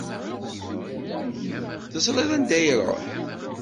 Teẓriḍ anda iruḥ?